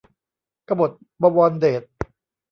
กบฏบวรเดช